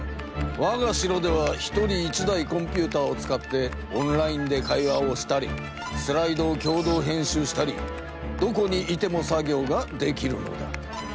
わがしろでは１人１台コンピューターを使ってオンラインで会話をしたりスライドをきょう同へん集したりどこにいても作業ができるのだ。